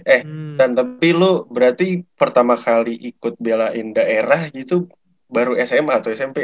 eh dan tapi lu berarti pertama kali ikut belain daerah itu baru sma atau smp